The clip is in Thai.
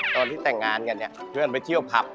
ตอนที่แต่งงานกันเนี่ยเพื่อนไปเที่ยวผับ